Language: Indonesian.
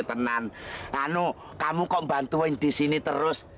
tenan anu kamu com bantuin di sini terus